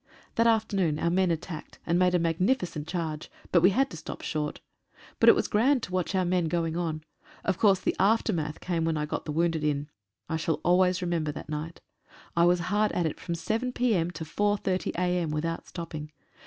That afternoon our men attacked, and made a magnificent charge ; but we had to stop short. But it was grand to watch our men going on. Of course the aftermath came when I got the wounded in. I shall always remember that night. I VALLEY OF THE SHADOW. was hard at it from 7 p.m. to 4.30 a.m., without stopping.